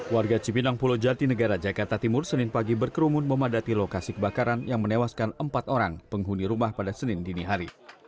warga cipinang pulau jati negara jakarta timur senin pagi berkerumun memadati lokasi kebakaran yang menewaskan empat orang penghuni rumah pada senin dini hari